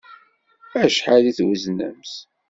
Acḥal i tweznemt?